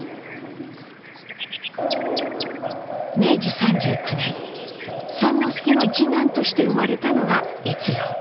明治３９年之助の二男として生まれたのが越郎。